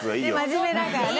真面目だからね。